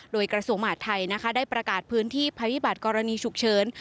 โดยกราศวงศ์มหาทัยได้ประกาศพื้นที่ภาพยาบาทกรณีฉุกเชิญ